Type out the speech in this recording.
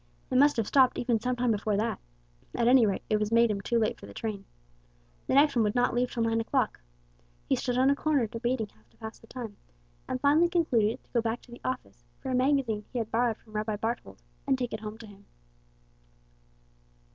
It must have been stopped even some time before that. At any rate it had made him too late for the train. The next one would not leave till nine o'clock. He stood on a corner debating how to pass the time, and finally concluded to go back to the office for a magazine he had borrowed from Rabbi Barthold, and take it home to him.